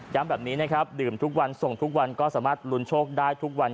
แบบนี้นะครับดื่มทุกวันส่งทุกวันก็สามารถลุ้นโชคได้ทุกวัน